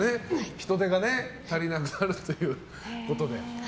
人手が足りなくなるということで。